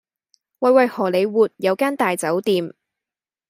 喂喂荷里活有間大酒店